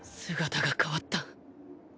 姿が変わった